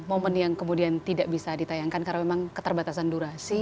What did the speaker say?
momen yang kemudian tidak bisa ditayangkan karena memang keterbatasan durasi